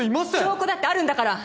証拠だってあるんだから！